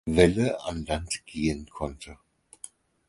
Welle an Land gehen konnte.